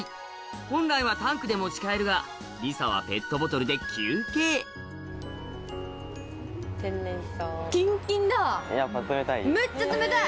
本来はタンクで持ち帰るがりさはペットボトルで休憩やっぱ冷たい？